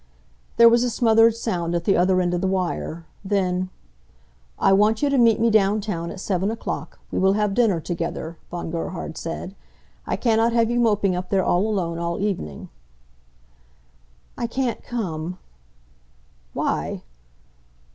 There was a smothered sound at the other end of the wire. Then "I want you to meet me down town at seven o'clock. We will have dinner together," Von Gerhard said, "I cannot have you moping up there all alone all evening." "I can't come." "Why?"